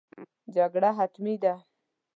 جګړه حتمي ده.